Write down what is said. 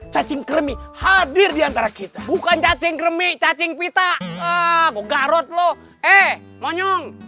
cacing kremi hadir diantara kita bukan cacing kremi cacing pita ah bogarot lo eh monyong